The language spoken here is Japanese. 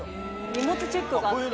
荷物チェックがあって。